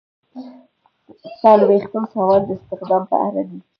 څلویښتم سوال د استخدام په اړه دی.